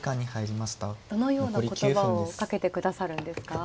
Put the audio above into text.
どのような言葉をかけてくださるんですか？